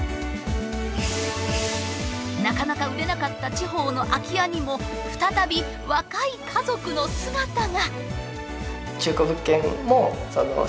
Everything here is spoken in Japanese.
なかなか売れなかった地方の空き家にも再び若い家族の姿が。